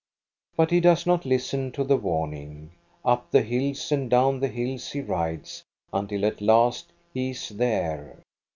But he does not listen to the warning. Up the hills and down the hills he rides, until at last he is there.